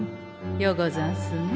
ようござんすね。